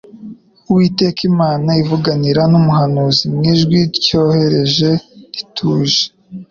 Uwiteka Imana ivuganira n'umuhanuzi mu ijwi tyoroheje rituje."